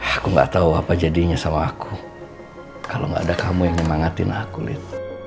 aku gak tau apa jadinya sama aku kalau gak ada kamu yang menyemangatin aku lihat